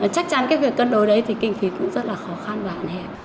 chắc chắn cái việc cân đối đấy thì kinh phí cũng rất là khó khăn và hạn hẹp